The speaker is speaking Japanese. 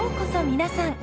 皆さん。